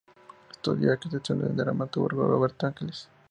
Estudió actuación con el dramaturgo Roberto Ángeles.